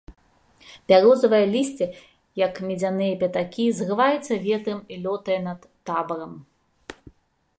Бярозавае лісце, як медзяныя пятакі, зрываецца ветрам і лётае над табарам.